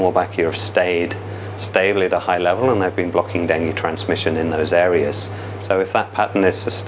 wolbachia telah tetap berada di tahap tinggi dan mereka telah menghalang transmisi dengkivirus di daerah daerah tersebut